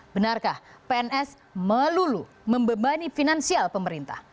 benarkah pns melulu membebani finansial pemerintah